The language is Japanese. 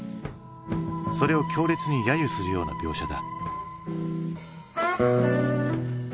それを強烈に揶揄するような描写だ。